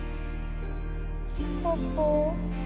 パパ